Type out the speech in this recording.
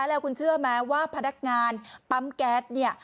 แล้วคุณเชื่อไหมว่าพนักงานปั๊มแก๊สเนี่ย